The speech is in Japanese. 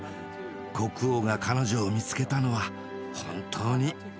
国王が彼女を見つけたのは本当に幸運でした。